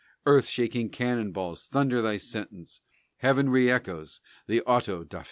Earth shaking cannon bolts thunder thy sentence, Heaven reëchoes the auto da fé.